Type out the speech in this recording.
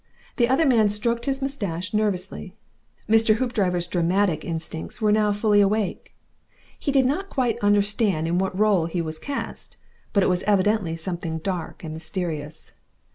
The other man stroked his moustache nervously. Mr. Hoopdriver's dramatic instincts were now fully awake. He did not quite understand in what role he was cast, but it was evidently something dark and mysterious.